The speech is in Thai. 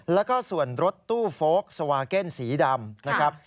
แล้วก็ส่วนรถตู้โฟลกสวาเก็นสีดำนะครับ